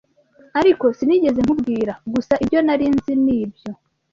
Ariko sinigeze nkubwira, gusa ibyo nari nzinibyo